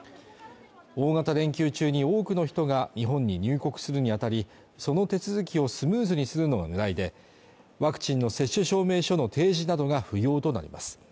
大型連休中に多くの人が日本に入国するにあたり、その手続きをスムーズにするのが狙いで、ワクチンの接種証明書の提示などが不要となります。